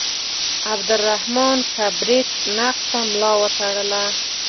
عبدالرحمان کبریت نقد ته ملا وتړله.